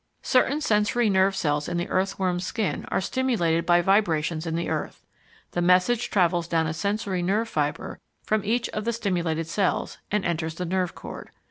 Certain sensory nerve cells in the earthworm's skin are stimulated by vibrations in the earth; the message travels down a sensory nerve fibre from each of the stimulated cells and enters the nerve cord.